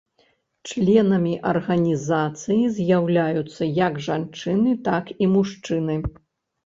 Членамі арганізацыі з'яўляюцца як жанчыны, так і мужчыны.